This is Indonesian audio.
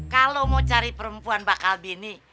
kalau mau cari perempuan bakal bini